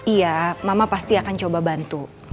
iya mama pasti akan coba bantu